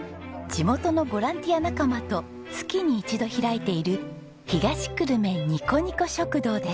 地元のボランティア仲間と月に一度開いている東久留米にこにこ食堂です。